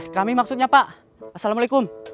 kami maksudnya pak assalamualaikum